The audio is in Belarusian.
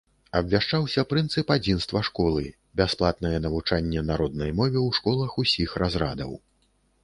Абвяшчаўся прынцып адзінства школы, бясплатнае навучанне на роднай мове ў школах усіх разрадаў.